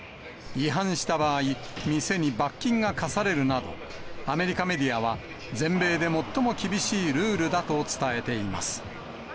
違反した場合、店に罰金が科されるなど、アメリカメディアは全米で最も厳しいルールだと伝えています。